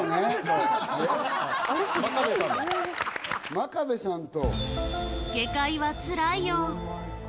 真壁さんと。